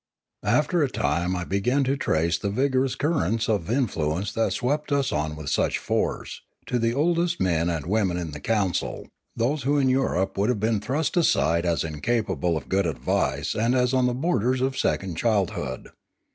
After a time I began to trace the vigorous currents of influence that swept us on with such force, to the oldest men and women in the council, those who in Europe would have been thrust aside as incapable of good advice and as on the borders of second childhood.